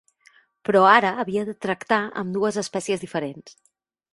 Però ara havia de tractar amb dues espècies diferents.